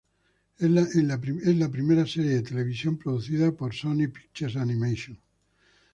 Es la primera serie de televisión producida por Sony Pictures Animation.